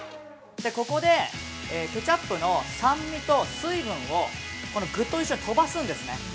◆ここでケチャップの酸味と水分を具と一緒に飛ばすんですね。